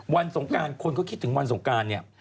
สงการคนเขาคิดถึงวันสงการเนี่ย